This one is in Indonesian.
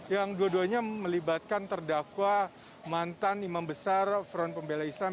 yang dua duanya melibatkan terdakwa mantan imam besar front pembela islam